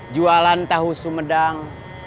jualan tahu sumedang